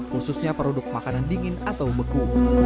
khususnya produk makanan dingin atau beku